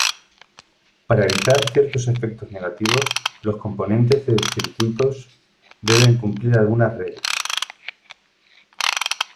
Para evitar ciertos efectos negativos, los componentes del circuitos deben cumplir algunas reglas.